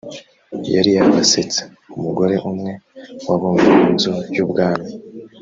yari yabasetse umugore umwe wabonye inzu y ubwami